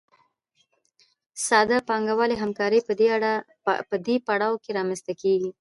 ساده پانګوالي همکاري په دې پړاو کې رامنځته کېږي